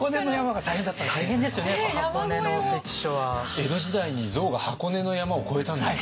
江戸時代に象が箱根の山を越えたんですか。